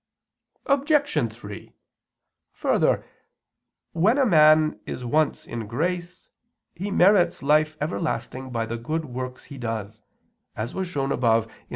Obj. 3: Further, when a man is once in grace he merits life everlasting by the good works he does, as was shown above (A.